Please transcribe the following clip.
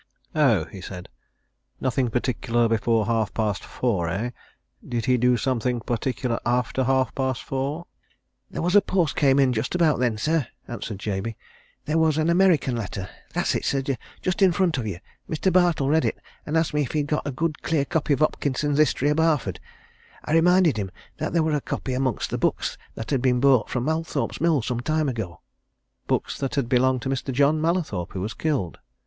"Oh?" he said. "Nothing particular before half past four, eh? Did he do something particular after half past four?" "There was a post came in just about then, sir," answered Jabey. "There was an American letter that's it, sir just in front of you. Mr. Bartle read it, and asked me if we'd got a good clear copy of Hopkinson's History of Barford. I reminded him that there was a copy amongst the books that had been bought from Mallathorpe's Mill some time ago." "Books that had belonged to Mr. John Mallathorpe, who was killed?"